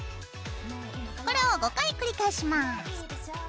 これを５回繰り返します。